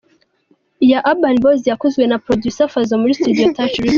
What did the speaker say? ya Urban Boyz yakozwe na Producer Fazzo muri Studio Touch Records.